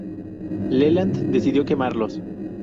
Leland decidió quemarlos.